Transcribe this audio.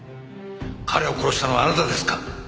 彼を殺したのはあなたですか？